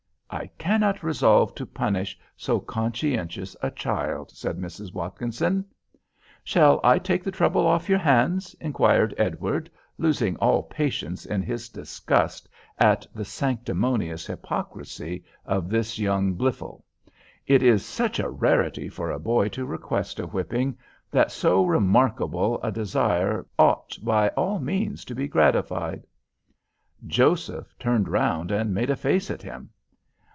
"I cannot resolve to punish so conscientious a child," said Mrs. Watkinson. "Shall I take the trouble off your hands?" inquired Edward, losing all patience in his disgust at the sanctimonious hypocrisy of this young Blifil. "It is such a rarity for a boy to request a whipping, that so remarkable a desire ought by all means to be gratified." Joseph turned round and made a face at him.